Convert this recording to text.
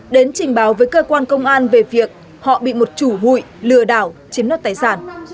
đến trình báo với cơ quan công an về việc họ bị một chủ hụi lừa đảo chiếm đoạt tài sản